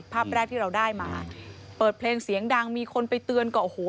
ภาพแรกที่เราได้มาเปิดเพลงเสียงดังมีคนไปเตือนก็โอ้โห